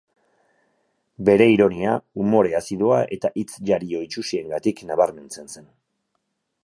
Bere ironia, umore azidoa eta hitz-jario itsusiengatik nabarmentzen zen.